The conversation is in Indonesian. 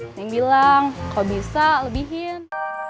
ini bilang kalau bisa lebihin